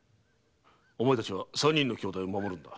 お前たちは三人の兄弟を守るのだ。